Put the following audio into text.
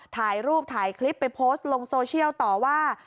ถ่ายรูปถ่ายคลิปไปโพสต์ลงโซเชียลต่อว่า